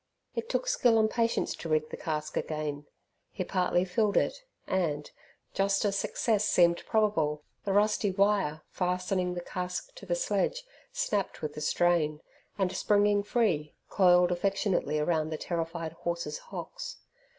It took skill and patience to rig the cask again. He partly filled it, and, just as success seemed probable, the rusty wire fastening the cask to the sledge snapped with the strain, and, springing free, coiled affectionately round the terrified horse's hocks.